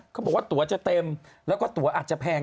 พวกตัวจะเต็มแล้วก็ตัวอาจจะแพง